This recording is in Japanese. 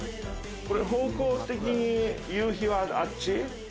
これ、方向的に夕日はあっち？